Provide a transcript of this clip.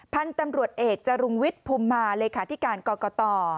พันธุ์ตำรวจเอกจรุงวิทย์ภูมิมาเลขาธิการกรกต